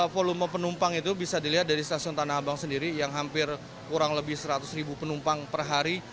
volume penumpang itu bisa dilihat dari stasiun tanah abang sendiri yang hampir kurang lebih seratus ribu penumpang per hari